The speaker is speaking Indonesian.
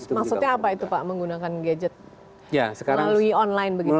maksudnya apa itu pak menggunakan gadget melalui online begitu pak